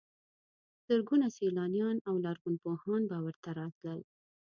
زرګونه سیلانیان او لرغونپوهان به ورته راتلل.